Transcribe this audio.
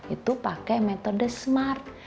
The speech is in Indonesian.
itu pakai metode smart